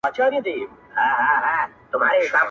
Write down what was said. o لويان ئې پر کور وايي، کوچنيان ئې پر بېبان٫